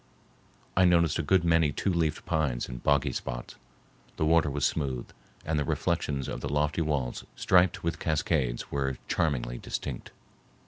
I noticed a good many two leafed pines in boggy spots. The water was smooth, and the reflections of the lofty walls striped with cascades were charmingly distinct.